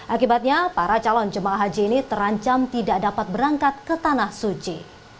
akibatnya para calon jemaah haji ini terancam tidak dapat berangkat ke tanah suci